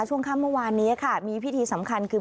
ช่วงค่ำเมื่อวานนี้ค่ะมีพิธีสำคัญคือ